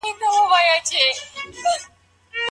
هر هوښيار سړی له شر څخه ځان ژغوري.